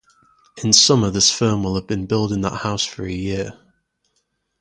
In summer this firm will have been building that house for a year.